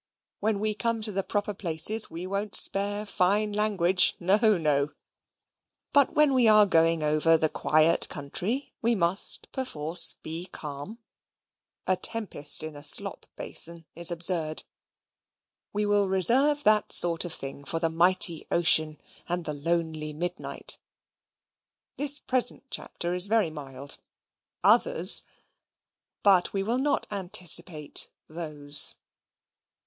When we come to the proper places we won't spare fine language No, no! But when we are going over the quiet country we must perforce be calm. A tempest in a slop basin is absurd. We will reserve that sort of thing for the mighty ocean and the lonely midnight. The present Chapter is very mild. Others But we will not anticipate THOSE.